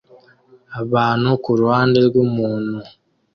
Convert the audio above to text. abantu kuruhande rwumutuku